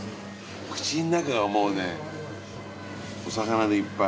口ん中がもうねお魚でいっぱい。